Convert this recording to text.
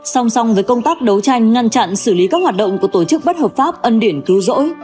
song song với công tác đấu tranh ngăn chặn xử lý các hoạt động của tổ chức bất hợp pháp ân điển cứu rỗi